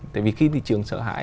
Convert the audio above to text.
tại vì khi thị trường sợ hãi